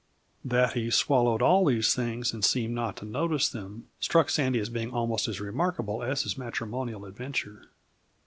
That he swallowed all these things and seemed not to notice them, struck Sandy as being almost as remarkable as his matrimonial adventure.